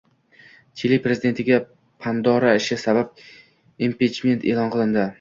Chili prezidentiga “Pandora ishi” sabab impichment e’lon qilindi